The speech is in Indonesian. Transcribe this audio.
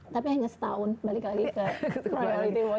tapi hanya setahun balik lagi ke priority watch list